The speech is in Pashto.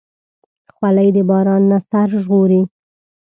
خولۍ د باران نه سر ژغوري.